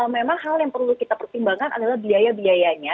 memang hal yang perlu kita pertimbangkan adalah biaya biayanya